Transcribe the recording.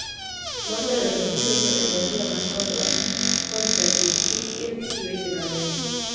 moloyo duto to e barua ma korka tich kik indiki weche mang'eny